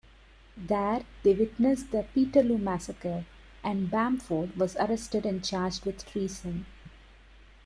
There they witnessed the Peterloo Massacre, and Bamford was arrested and charged with treason.